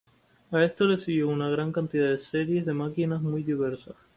A esto le siguió una gran cantidad de series de máquinas muy diversas.